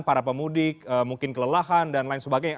para pemudik mungkin kelelahan dan lain sebagainya